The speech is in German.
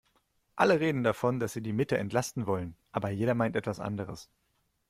Alle reden davon, dass sie die Mitte entlasten wollen, aber jeder meint etwas anderes.